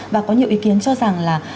và có nhiều ý kiến cho rằng là